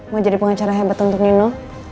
mau jadi pengacara hebat untuk nino